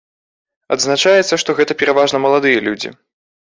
Адзначаецца, што гэта пераважна маладыя людзі.